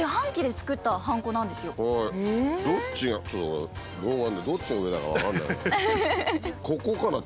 老眼でどっちが上だか分かんない。